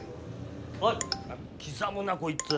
おい刻むなこいつ。